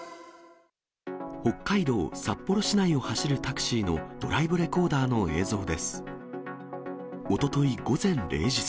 北海道札幌市内を走るタクシーのドライブレコーダーの映像です。